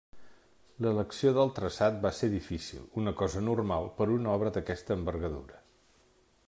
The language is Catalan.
L'elecció del traçat va ser difícil, una cosa normal per a una obra d'aquesta envergadura.